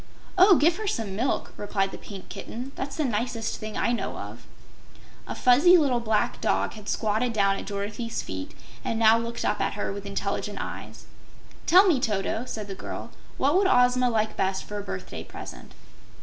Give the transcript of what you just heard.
"Oh, give her some milk," replied the Pink Kitten; "that's the nicest thing I know of." A fuzzy little black dog had squatted down at Dorothy's feet and now looked up at her with intelligent eyes. "Tell me, Toto," said the girl; "what would Ozma like best for a birthday present?"